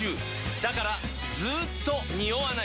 だからずーっとニオわない！